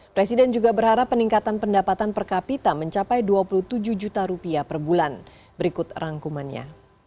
presiden juga berharap peningkatan pendapatan per kapita mencapai dua puluh tujuh juta rupiah per bulan berikut rangkumannya